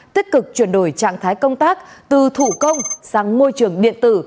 tích cực chuyển đổi trạng thái công tác từ thủ công sang môi trường điện tử